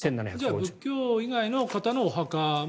じゃあ仏教以外の方のお墓も。